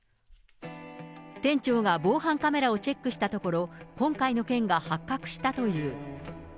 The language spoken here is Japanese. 店長が防犯カメラをチェックしたところ、今回の件が発覚したという。